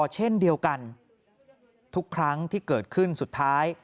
เช่นเดียวกันทุกครั้งที่เกิดขึ้นสุดท้าย